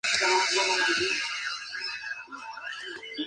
Los deportes profesionales están bien establecidos en Minneapolis.